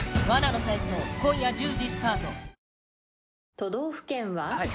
都道府県は？